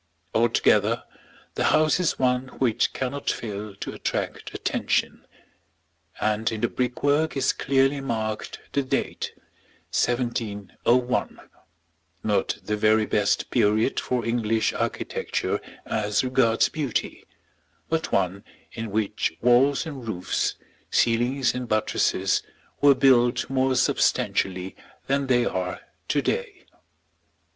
Altogether the house is one which cannot fail to attract attention; and in the brickwork is clearly marked the date, 1701, not the very best period for English architecture as regards beauty, but one in which walls and roofs, ceilings and buttresses, were built more substantially than they are to day.